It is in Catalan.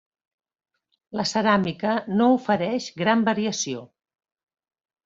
La ceràmica no ofereix gran variació.